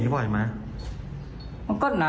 เป็นอย่างนี้บ่อยมั้ย